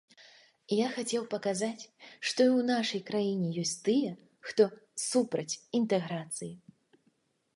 Я хацеў паказаць, што і ў нашай краіне ёсць тыя, хто супраць інтэграцыі.